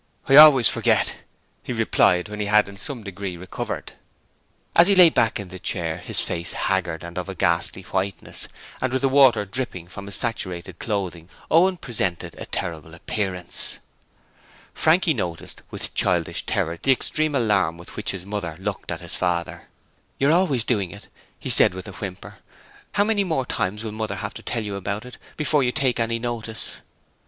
'I al ways for get,' he replied, when he had in some degree recovered. As he lay back in the chair, his face haggard and of a ghastly whiteness, and with the water dripping from his saturated clothing, Owen presented a terrible appearance. Frankie noticed with childish terror the extreme alarm with which his mother looked at his father. 'You're always doing it,' he said with a whimper. 'How many more times will Mother have to tell you about it before you take any notice?'